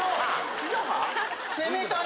地上波？